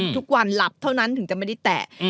ทุกวันหลับเท่านั้นถึงจะไม่ได้แตะ